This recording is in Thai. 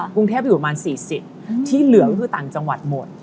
กรุงเทพอยู่ประมาณ๔๐ที่เหลือก็คือต่างจังหวัดหมด